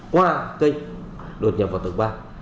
qua cây đột nhập vào tường bạc